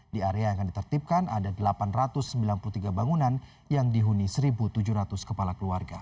di area yang akan ditertipkan ada delapan ratus sembilan puluh tiga bangunan yang dihuni satu tujuh ratus kepala keluarga